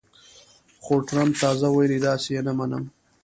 خو ټرمپ تازه ویلي، داسې یې نه منم